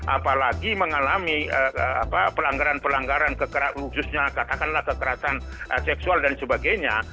apalagi mengalami pelanggaran pelanggaran khususnya katakanlah kekerasan seksual dan sebagainya